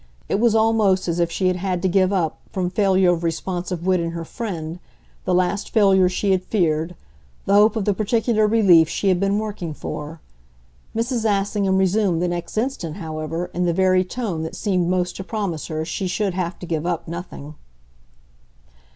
It was almost as if she had had to give up, from failure of responsive wit in her friend the last failure she had feared the hope of the particular relief she had been working for. Mrs. Assingham resumed the next instant, however, in the very tone that seemed most to promise her she should have to give up nothing.